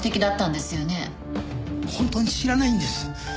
本当に知らないんです。